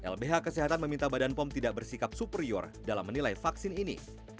lbh kesehatan meminta badan pom tidak bersikap superior dalam menilai vaksin ini